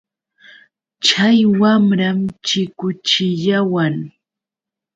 Chay wamram chikuchiyawan.